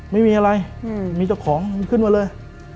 ไม่มีอะไรมีเจ้าของขึ้นมาเลย